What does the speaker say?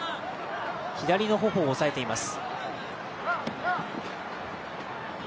左の頬を押さえています。